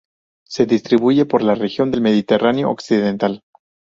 Se distribuye por la región del Mediterráneo occidental.